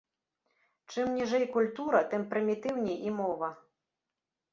Чым ніжэй культура, тым прымітыўней і мова.